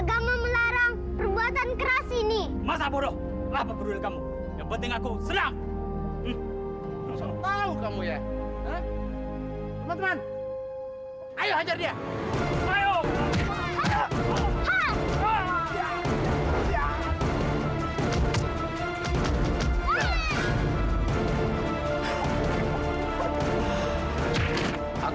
sampai jumpa di video selanjutnya